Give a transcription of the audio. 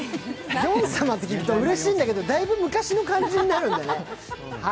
ヨン様って聞くとうれしいんだけどだいぶ昔の感じになるんだよね。